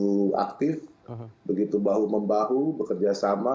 begitu aktif begitu bahu membahu bekerja sama